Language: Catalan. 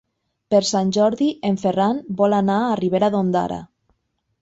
Per Sant Jordi en Ferran vol anar a Ribera d'Ondara.